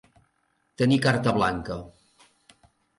Tenir carta blanca.